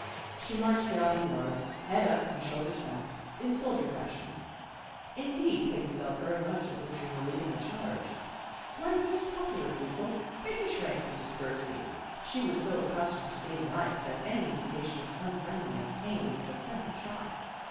She marched down the yard, head up and shoulders back, in soldier fashion. Indeed Peggy felt very much as if she were leading a charge. Like most popular people, Peggy shrank from discourtesy. She was so accus tomed to being liked that any indication of unfriendliness came with a sense of shock.